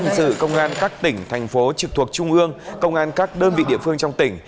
sự công an các tỉnh thành phố trực thuộc trung ương công an các đơn vị địa phương trong tỉnh